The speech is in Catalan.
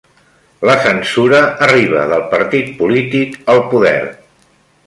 La censura arriba del partit polític al poder